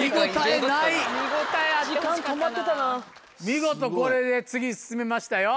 見事これで次進めましたよ。